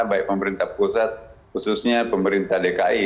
baik pemerintah pusat khususnya pemerintah dki